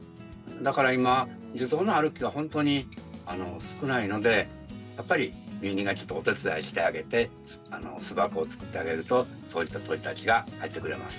だから今樹洞のある木はほんとに少ないのでやっぱり人間がちょっとお手伝いしてあげて巣箱を作ってあげるとそういった鳥たちが入ってくれます。